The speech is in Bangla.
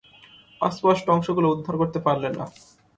অস্পষ্ট অংশগুলো উদ্ধার করতে পারলেন না।